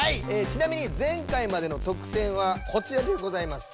ちなみに前回までの得点はこちらでございます。